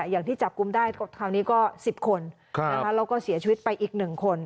อย่างที่จับกลุ่มได้คราวนี้ก็๑๐คนแล้วก็เสียชีวิตไปอีก๑คน